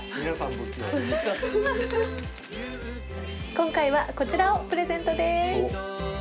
今回はこちらをプレゼントです。